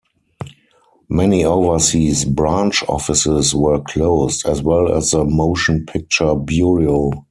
Many overseas branch offices were closed, as well as the Motion Picture Bureau.